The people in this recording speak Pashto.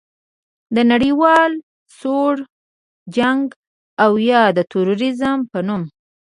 د نړیوال سوړ جنګ او یا د تروریزم په نوم